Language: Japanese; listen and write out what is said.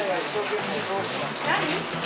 何？